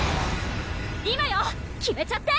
今よ決めちゃって！